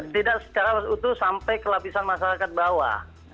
tidak secara utuh sampai ke lapisan masyarakat bawah